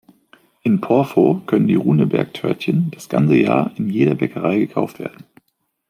In Porvoo können die Runeberg-Törtchen das ganze Jahr in jeder Bäckerei gekauft werden.